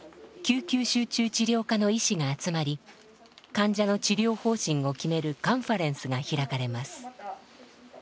集中治療科の医師が集まり患者の治療方針を決めるカンファレンスが開かれます。